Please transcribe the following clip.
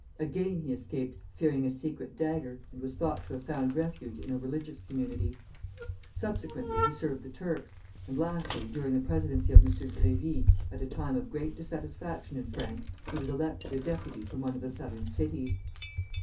Again he escaped, fearing a secret dagger, and was thought to have found refuge in a religious community. Subsequently he served the Turks; and lastly, during the presidency of M. Grévy, at a time of great dissatisfaction in France, he was elected a deputy from one of the Southern cities.